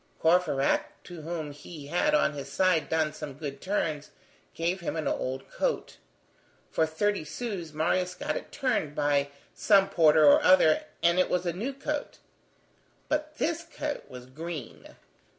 Courfeyrac, to whom he had, on his side, done some good turns, gave him an old coat. For thirty sous, Marius got it turned by some porter or other, and it was a new coat. But this coat was green.